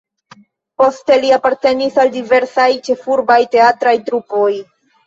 Poste li apartenis al diversaj ĉefurbaj teatraj trupoj.